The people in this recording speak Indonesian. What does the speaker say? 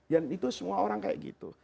dan itu semua orang kayak gitu